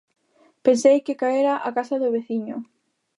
Pensei que caera a casa do veciño.